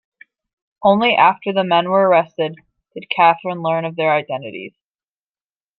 Only after the men were arrested did Catharine learn of their identities.